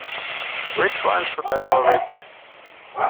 Which one should I go with?